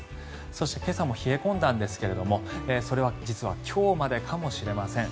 そして今朝も冷え込んだんですがそれは実は今日までかもしれません。